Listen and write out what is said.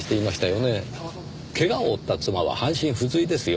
怪我を負った妻は半身不随ですよ。